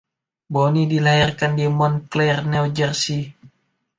Bonney dilahirkan di Montclair, New Jersey.